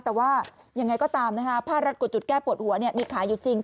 แต่ว่ายังไงก็ตามนะคะผ้ารัดกดจุดแก้ปวดหัวมีขายอยู่จริง